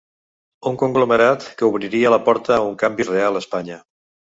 Un conglomerat que obriria la porta a un canvi real a Espanya.